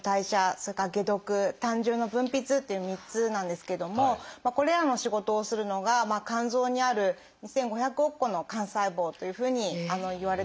それから「解毒」「胆汁の分泌」っていう３つなんですけどもこれらの仕事をするのが肝臓にある２，５００億個の肝細胞というふうにいわれています。